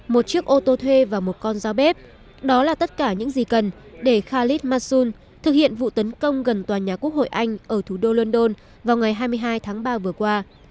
một chiếc ô tô thuê và một con dao bếp đó là tất cả những gì cần để khalid masul thực hiện vụ tấn công gần tòa nhà quốc hội anh ở thủ đô london vào ngày hai mươi hai tháng ba vừa qua